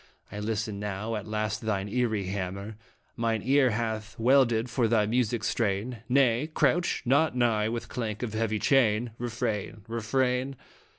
I listen now ; at last thine eerie hammer Mine ear hath welded for thy mystic strain Nay, crouch not nigh with clank of heavy chain. Refrain ! Refrain